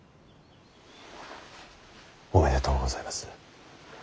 おめでとうございます。